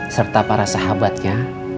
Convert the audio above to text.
serta para sahabatnya